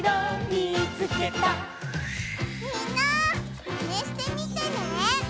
みんなマネしてみてね！